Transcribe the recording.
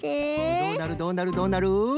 どうなるどうなるどうなる？